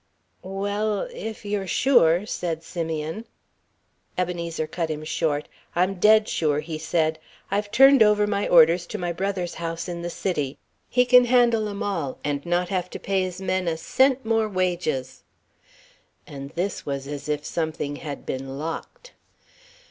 "Well, if you're sure " said Simeon. Ebenezer cut him short. "I'm dead sure," he said. "I've turned over my orders to my brother's house in the City. He can handle 'em all and not have to pay his men a cent more wages." And this was as if something had been locked.